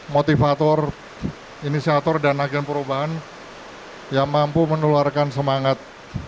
motivator inisiator dan agen perubahan yang mampu menularkan semangat